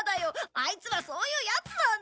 アイツはそういうヤツなんだ！